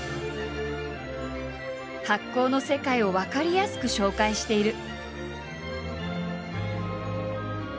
発酵の世界を分かりやすく紹介している。